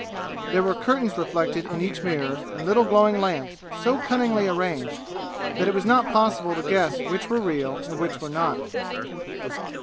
There were curtains reflected in each mirror, and little glowing lamps, so cunningly arranged that it was not possible to guess which were real and which were not.